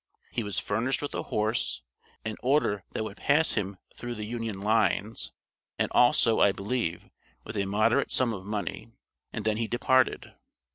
He was furnished with a horse, an order that would pass him through the Union lines, and also, I believe, with a moderate sum of money, and then he departed.